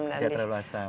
tidak terlalu asam